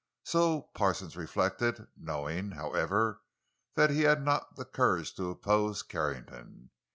So Parsons reflected, knowing, however, that he had not the courage to oppose Carrington.